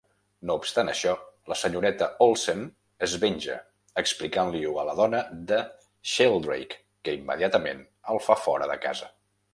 No obstant això, la senyoreta Olsen es venja explicant-li-ho a la dona de Sheldrake, que immediatament el fa fora de casa.